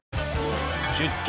出張！